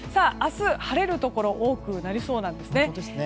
明日、晴れのところが多くなりそうなんです。